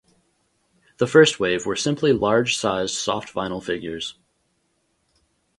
The first wave were simply large-sized soft vinyl figures.